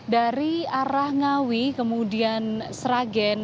dari arah ngawi kemudian sragen